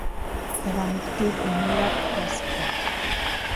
Er war Mitglied im "New York Press Club".